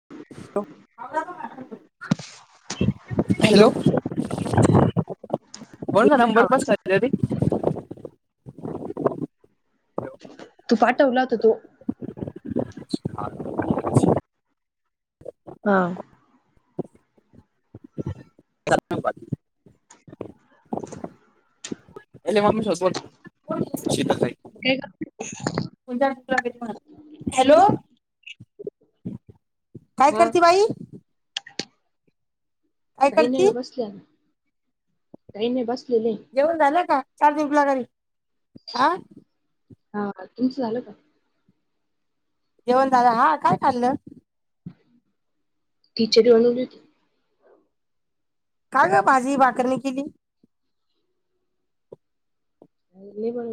[inaudible] Hello कोण का येतोय नंबर पाच आवाज? खरी तू पाटव उलात तो ह हा हॅलो [inaudible] एले मम्मी सोबत बोल कोण एले काय ग तुमच्या [unintelligible] हॅलो काय हा करती बाई काय काही नाहीग करते बसल्या काहीने बसल्या जेवण झालं का चार दिवसला घरी ह हा तुमचं झालं का येऊन ददा हा काय खाल्लं किचरी बनवली होती का ग भाजी भाकरणी केली नाही बण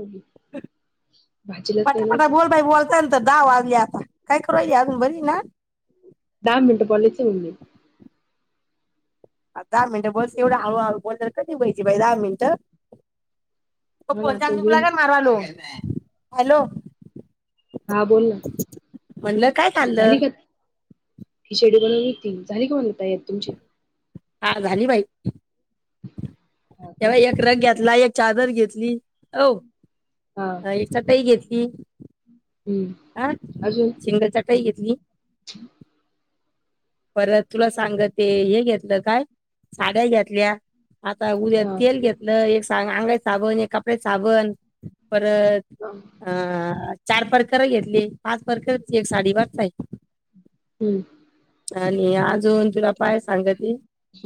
पटाफटा बोल बाई बोलतायल तर दहा आता काय करूय अजून बरी ना दा मिनट पलेच म्हही दहा मिनिटं बस एवढा हव हव बोल तर कधी वयची बाई दहा मिनिट त हो ना पचा आता तुकुला होईल काय मारवालो हॅलो हा बोल ना म्हणलं काय झाली खाल्लं का ही शेड्यू बनवूनती झाली का म्हणता य तुमची हा झाली बाई हा का तेव्हा एक रग घेतला एक चादर घेतली हो हा एक चटाई घेतली हम्म हा अजून शिंगल चटही घेतली परत तुला सांग ते हे घेतलं काय साड्या घातल्या आता उद्या हा तेल घेतलं एक अंगा साबण एक कपड्यात साबण परत हा. अ चार परकर घेतली पाच परकर एक साडी बचचा आहे हम्म आणि अजून तुला पाय सांग त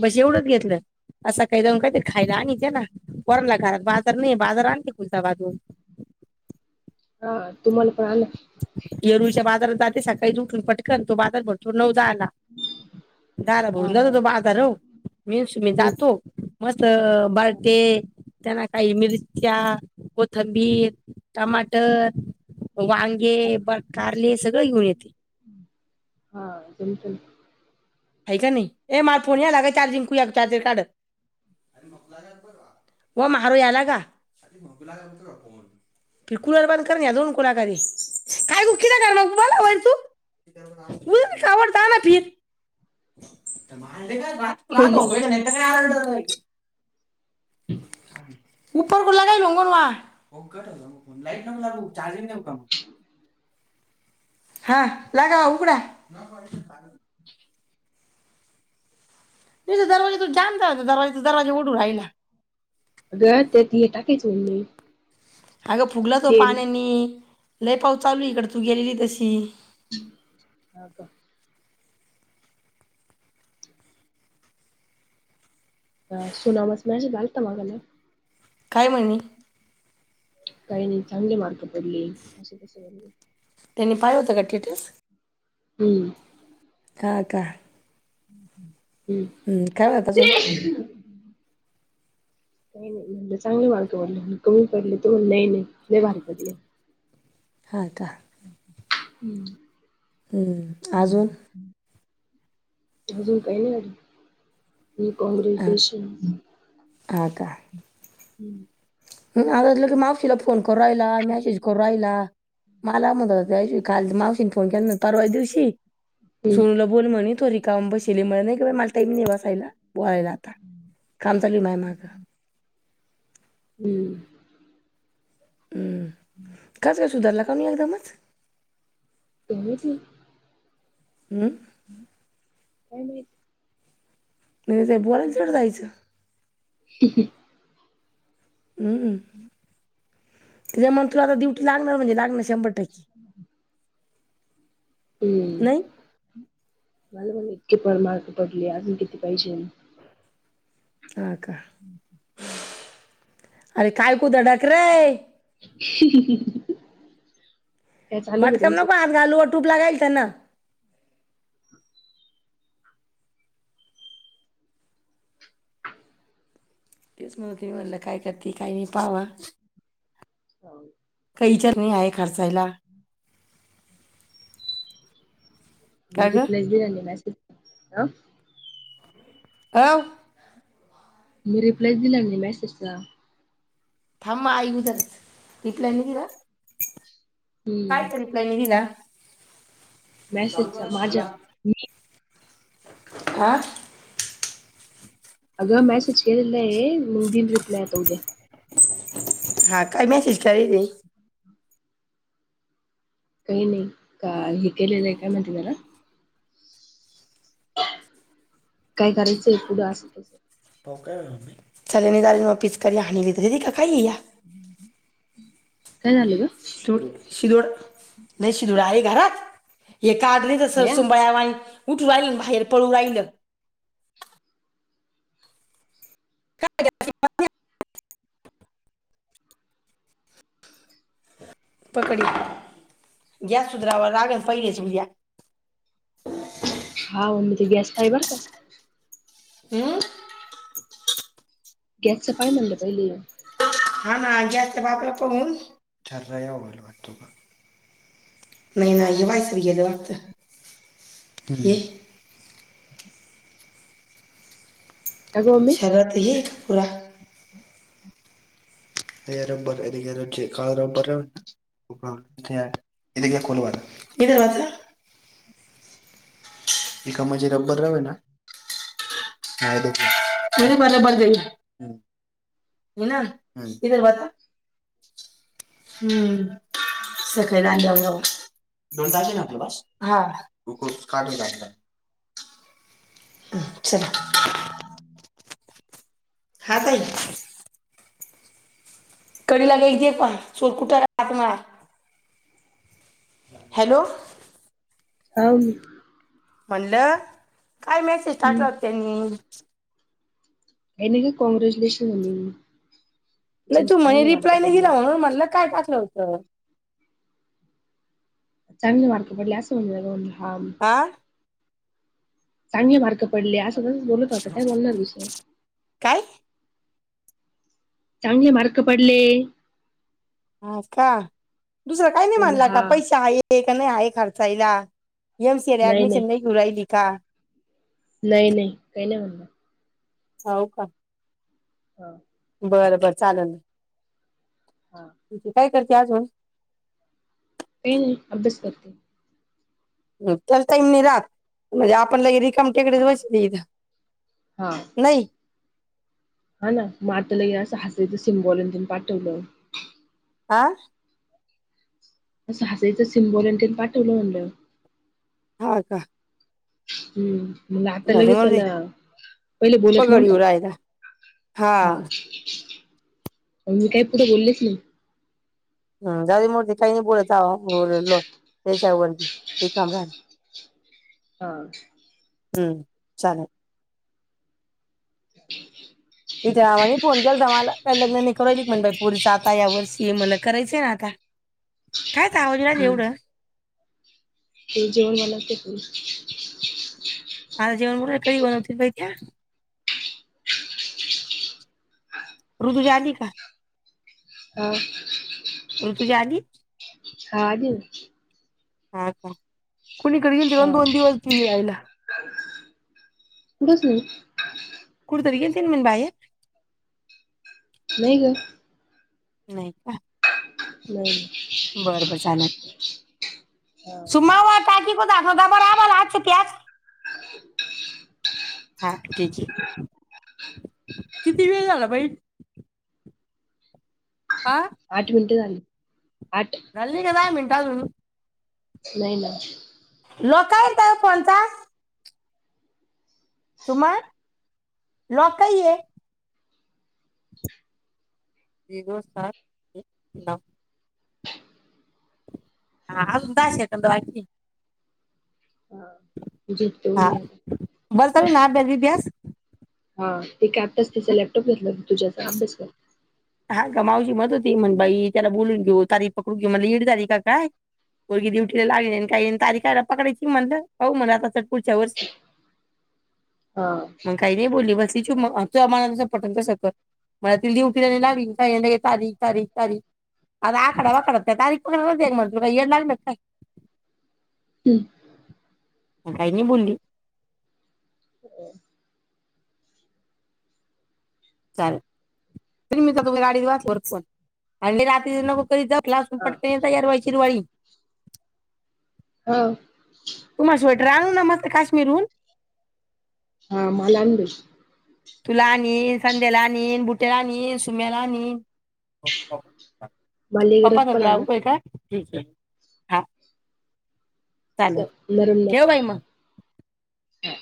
बस एवढच घेतलं असं काही जाऊन काही ते खायला आण ते ना वरला घरात बाजार नाही बाजार आणते कुलच्या बाजून हा तुम्हाला पण आलं जे सकाळी उठून पटकन तो बादर भरतो नऊ जाल हम् दारा बोलला त तो बाजार मीनस मी हम्म जातो मस् बळटे त्यांना काही मिरच्या कोथंबीर टमाटर वांगे ब कारले सगळं घेऊन येते हा ज ह का नाही ए मार फोनलाग चार्जिंग चार्जर काढ व मारो याला का क कुलाार बां कर या दोन कुलाकारारी काय ग किलाकार मगला तू खबडता ना फर का रा ना. होता काय आ र ला चार्जिंगऊ का हा लागा उघडा त दरवाजा तू जाणत दरवाजे दरवाजा ओढू राहि ना अ गं त्यात हे टाकायच म्होल नाही अगं फुगला तो पाण्याने लय पाऊस चालू इकडं तू गेलेली तशी हा का सोनामस मची ा तां क काय म्हणणे काहिनी चांगले मार्क त्यांनी पाहिलं होतं का टेटस हम्म हाका हम् हम्म हम्म कायवताजून काही नाही म्हणलं चांगले मार्क पडले म्ह कमी पडले त म्हण नाही नाहीे भारीक पडले ह का हम्म हम्म अजून अजून काही नाही झा ह कॉग्रेटेशन आ का हम्म ह आता ल की मावशीला फोन करू राहिला मेसेज करू राहिला मलाम काल मावशीने फोन केला परवा दिवशी हम्म सुरूलं बोल म्हणे थोडीरी काम बसली मला नाही बा मला टाईम निवासायला बोळायला काम चालू माय माझं हम्म हम्म काच काय सुधार लगवणी लादमच तम त हम्म काय माहित नाही नाही ते बोलांचड जायचं क हम्म त्या मग तुला आता ड्युटी लागणार म्हणजे लागणार शंभर टक्के हम् नाही मला मला इतककी पार मार्क पडली अजून किती पाहिजे हा का हम् हम्म अरे काय कुदंडाक रय [inaudible] चालू आहे का मटकम तुमचं? नक हात घालू अ टूप लागाईल तर ना तेच म्हणून तुम्ही म्हणलं काय करते काही नाही पावा हो. कैचत नाही आहे खर्चायला का आणि ग रिप्लाय दिरा आणि मॅसेज ह अ मी रिप्लाय दिला मेसेजला थांबा आई उदच तिथल्या किरा हम्म कायतरीप्लाय निघला चालू क मेसेजचा ख माझ्या मी हा अग मॅ सच क दिलाय म दिन रिपलाय तऊ द्या हा काय मॅशिच करली त काही नाही का हे केलेलं आहे काय म्हहिती त्याला काय करायचंय पुढं असंच चले नि दार पिस कर ह ल का खाय या काय झालं ग शिड शिदोड नाही शिदोड आहे घरात हे काढ नाही तस भया सुबळ उठू राहिल बाहेर पळू राहिलं का पकडी गॅस सुधरावर रागत पहिले सुलल्या हा उमब ते गॅस पाय बर का हम्म गॅस सफय म्हणलं पहिले हा ना जास्त भापलं पून ठर वाटतो का नाही नाही वायसरीयद वक्त ते का ग मम्मी सगात ये का पुूरा अ रबर जे काळ रबर आहे प्रॉब्लेम इथं घे.. कोण वार इथं वाचा [inaudible] एका म्हजी रब्बर रावे ना [unintelligible] [inaudible] ये ना इधर बसा हम्म सकाली दांड्यावर जाऊ दोन तास है ना आपके पास हा.. [inaudible] हा चल हा ताई कडी लगायेंगे पण चोर कुठं राहत नाय हॅलो ह म्हणलं काय मेसेज हम्म टाकला होता त्यांनी काही नाही ग... काँग्रॅच्युलेशन म्हणे नाही तू म्हणे रिप्लाय नाही दिला म्हणून म्हटलं काय टाकलं होतं चांगले मार्क पडले असं म्हणून राहिला म्हटला हा चांगले मार्क पडले असं तसंच बोलत होता काय बोलणार आहे दुसरं काय चांगले मार्क पडले हा का.. दुसरं काय नाही म्हणलं म्हनला का हा पैसा हाये का नाही आहे खर्चायला एम सीएला ऍडमिशन नाही घेऊ राहिली का नाही नाही काही नाही म्हणलं हाऊ का हा बरं बरं चालल... हा तू काय करते अजून पेन अभ्यास कर हम्म.. त्याला टाईम नाही राहात म्हणजे आपण लई रिकाम टेकडेच बसले इथं हा.. नाही हा ना मग आता लई असं हसायचं सिम्बॉल अन ते पाठवलं आ... असं हसायचं सिम्बॉल अन ते पाठवलं म्हटलं हा का हम्म मग आता झाले लगेच मोरे आला.. पहिले बोलत पगड नव्हता येऊ राहिला हा मग मी पुढं काही बोललेच नाही हम्म.. जाऊ दे मरू दे काय नाही बोलायचं [unintelligible] हा हम्म चालल. [unintelligible] फोन केलता तर मला.. काय लग्न नाय करू राहिला का पोरीचं यावर्षी... मी म्हटलं करायचं ना आता [unintelligible] कह्याचा आवाज येऊ राहिला हम्म. एवढा ते जेवण बनवते फक्त आज जेवण... उद्या काही बनवते... काय घ्या ऋतुजा आली का हा ऋतुजा आली हा आली ना. हा का... कुणीकडे गेलती हा दोन दिवस तू [unintelligible] बसनी कुठंतरी गेलती ना म्हणती बाहेर नाइ गं नाही का नाही बरं बरं चालल... हा सुमा वर टाकी बघ [inaudible] [unintelligible] हा ठीक आहे किती वेळ झाला बाई आठ मिनट झाली आठ झाल्ली का काय मिनटं अजून नाही नाही लोकायल तर पंचास तुमार लॉक काही ये झिरो सात एक नऊ हा आ उ दश ये त वाटची जीत आहे तम ना बल ब्यास तेताच त्याचा लॅपटॉप घेतला तुझ्या अभ्यास हां का मावची मत होती म्हण बाई त्याला बोलून घेऊ तारीख पकडून घेऊ मला ईड तारी काय मुलगी डुटीला लागली आणि काही तारीखयला पकडायची म्हणलं होऊ म्हणलं आता च पुढच्या वर्षी [inaudible] हा मग काही नाही बोलली बस ति तू आम्हाला तस पटंग क सक मला त दे त नावी तारीख तारीख तारी अ आकड व वाकड तारी मणत का एड लाल म का हम्म काहीनी बोलली चालेल त मी तर तुमच्या गाडीत वाच फोन आणि राात नकला हा पटक तयार हो्हाय शिरवाळी हा तुम्हाला स्वेटर आणू ना मस्त काश्मीरहून हां म लबस तुलानी संदेला न बुटेला न सुमेला नी मालेगरज प्पा पण आहे ना कतय काय हा चालेल असं ठेव भाई म ह